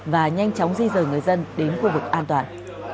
và nhanh chóng di rời người dân đến khu vực an toàn